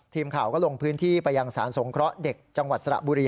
ทีมข่าวก็ลงพื้นที่ไปยังสารสงเคราะห์เด็กจังหวัดสระบุรี